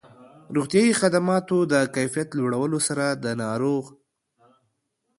روغتیایي خدماتو د کيفيت لوړولو سره د ناروغ